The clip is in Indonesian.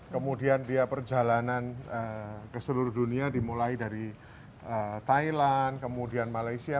kemudian dia perjalanan ke seluruh dunia dimulai dari thailand kemudian malaysia